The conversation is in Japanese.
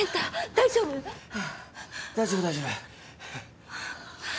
大丈夫大丈夫。